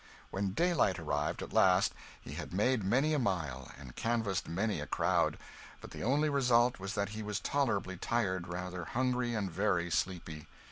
When daylight arrived, at last, he had made many a mile, and canvassed many a crowd, but the only result was that he was tolerably tired, rather hungry and very sleepy.